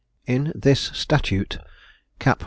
In this statute, cap.